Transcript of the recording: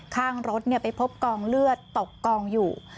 ข้างรถมาเจอพบกล้องเลือดตกกล้องอยู่